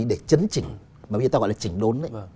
để chấn chỉnh mà bây giờ ta gọi là chỉnh đốn